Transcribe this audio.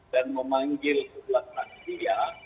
dan memanggil sebuah kakitia